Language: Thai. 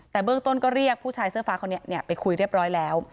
แต่เบื้องต้นก็เรียกผู้ชายเสื้อฟ้าคนนี้ไปคุยเรียบร้อยแล้ว